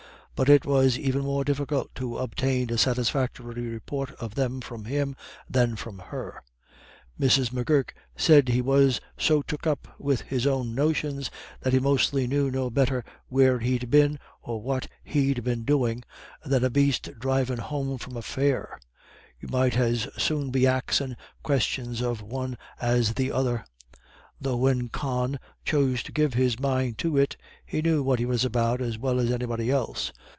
But it was even more difficult to obtain a satisfactory report of them from him than from her. Mrs. M'Gurk said he was "so took up with his own notions, that he mostly knew no better where he'd been, or what he'd been doin', than a baste drivin' home from a fair; you might as soon be axin' questions of one as the other; though when Con chose to give his mind to it, he knew what he was about as well as anybody else.